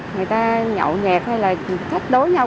người ta nhậu nhẹt hay là thách đối nhau